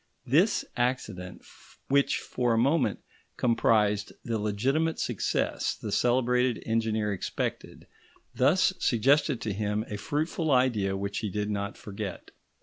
This accident, which for a moment compromised the legitimate success the celebrated engineer expected, thus suggested to him a fruitful idea which he did not forget.